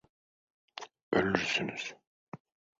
Ölürsünüz.